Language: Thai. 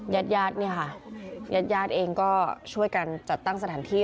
ญาติญาติเนี่ยค่ะญาติญาติเองก็ช่วยกันจัดตั้งสถานที่